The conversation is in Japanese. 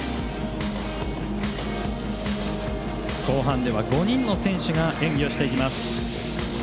後半では５人の選手が演技していきます。